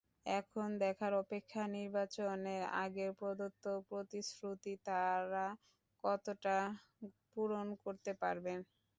এখন দেখার অপেক্ষা নির্বাচনের আগে প্রদত্ত প্রতিশ্রুতি তাঁরা কতটা পূরণ করতে পারবেন।